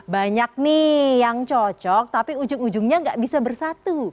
banyak nih yang cocok tapi ujung ujungnya gak bisa bersatu